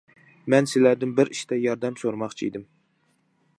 مەن سىلەردىن بىر ئىشتا ياردەم سورىماقچى ئىدىم.